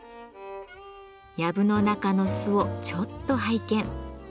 やぶの中の巣をちょっと拝見。